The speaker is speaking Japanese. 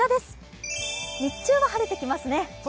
日中は晴れてきますね。